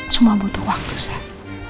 semua butuh waktu sah